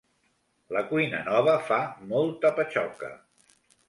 La cuina nova fa molta patxoca.